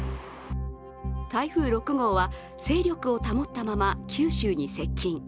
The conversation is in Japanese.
台風６号は勢力を保ったまま九州に接近。